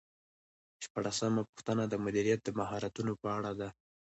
شپاړسمه پوښتنه د مدیریت د مهارتونو په اړه ده.